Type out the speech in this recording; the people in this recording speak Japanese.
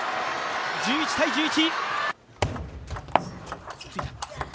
１１−１１！